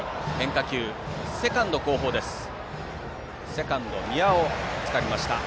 セカンド、宮尾がつかみました。